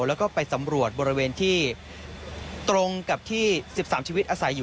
แล้วก็ไปสำรวจบริเวณที่ตรงกับที่๑๓ชีวิตอาศัยอยู่